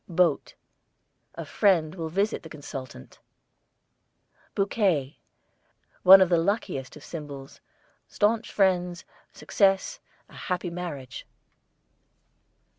BOAT, a friend will visit the consultant. BOUQUET, one of the luckiest of symbols; staunch friends, success, a happy marriage.